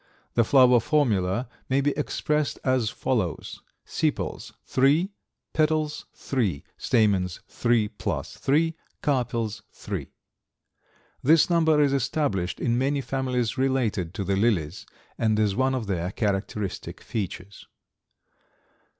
The flower formula may be expressed as follows: sepals 3, petals 3, stamens 3 plus 3, carpels 3. This number is established in many families related to the lilies, and is one of their characteristic features.